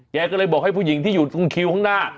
แกก็เลยบอกให้ผู้หญิงที่อยู่ตรงคิวข้างหน้า